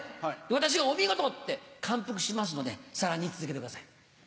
私がお見事って、感服しますので、さらに続けてください。